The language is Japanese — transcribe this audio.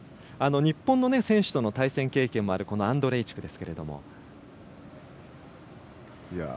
日本の選手との対戦経験もあるアンドレイチクですが。